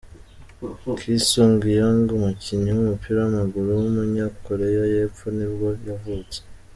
Ki Sung-Yueng, umukinnyi w’umupira w’amaguru w’umunyakoreya y’epfo nibwo yavutse.